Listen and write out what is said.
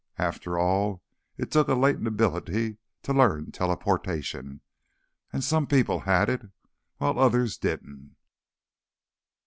After all, it took a latent ability to learn teleportation, and some people had it, while others didn't.